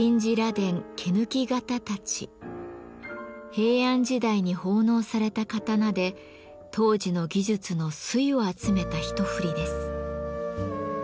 平安時代に奉納された刀で当時の技術の粋を集めた一振りです。